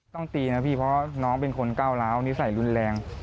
ตีนะพี่เพราะน้องเป็นคนก้าวร้าวนิสัยรุนแรง